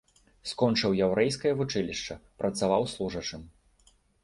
Скончыў яўрэйскае вучылішча, працаваў служачым.